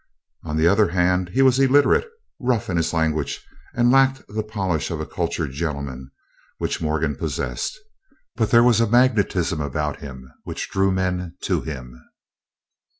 On the other hand, he was illiterate, rough in his language, and lacked the polish of a cultured gentleman, which Morgan possessed. But there was a magnetism about him which drew men to him.